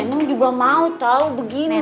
neneng juga mau tau begini loh deh